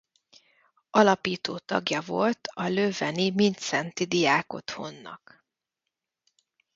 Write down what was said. Alapító tagja volt a leuveni Mindszenty Diákotthonnak.